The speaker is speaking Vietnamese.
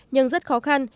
nhưng rất khó khăn